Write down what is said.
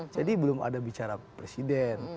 jadi belum ada bicara presiden